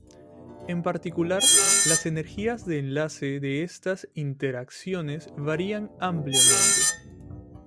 En particular, las energías de enlace de estas interacciones varían ampliamente.